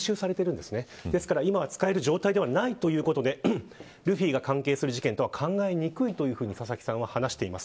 ですから今は使える状態ではないということでルフィが関係する事件とは考えにくいと佐々木さんは話しています。